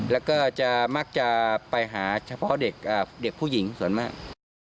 แล้วก็จะมักจะไปหาเฉพาะเด็กผู้หญิงส่วนมาก